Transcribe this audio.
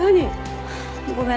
ごめん。